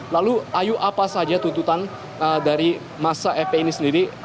lalu ayu apa saja tuntutan dari masa fpi ini sendiri